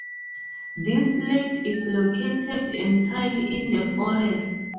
This lake is located entirely in the forest.